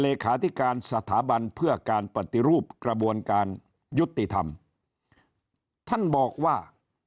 เลขาธิการสถาบันเพื่อการปฏิรูปกระบวนการยุติธรรมท่านบอกว่า